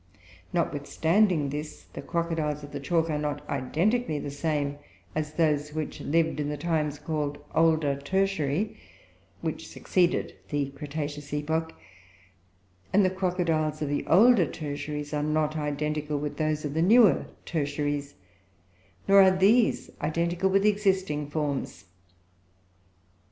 Notwithstanding this, the crocodiles of the chalk are not identically the same as those which lived in the times called "older tertiary," which succeeded the cretaceous epoch; and the crocodiles of the older tertiaries are not identical with those of the newer tertiaries, nor are these identical with existing forms.